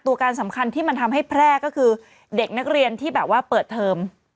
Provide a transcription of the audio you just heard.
ตัวการสำคัญที่มันทำให้แพร่ก็คือเด็กนักเรียนที่แบบว่าเปิดเทอม